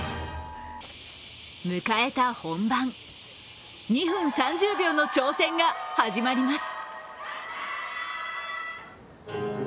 迎えた本番、２分３０秒の挑戦が始まります。